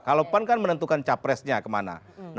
kalau pan kan menentukan capresnya kemana